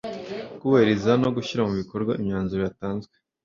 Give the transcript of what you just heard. kubahiriza no gushyira mu bikorwa imyanzuro yatanzwe